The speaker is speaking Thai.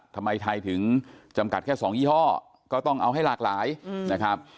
ทำไมไทยถึงจำกัดแค่๒ยี่ห้อก็ต้องเอาให้หลากหลายนะครับ